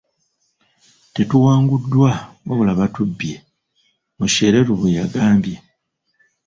"Tetuwanguddwa wabula batubbye,” Mushereru bwe yagambye.